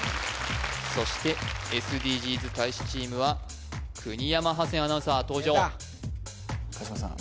そしてＳＤＧｓ大使チームは国山ハセンアナウンサー登場出た川島さん